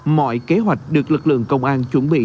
mọi kế hoạch được lực lượng công an chuẩn bị